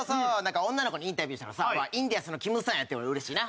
女の子にインタビューしたらさ「インディアンスのきむさんや」って言われたら嬉しいな。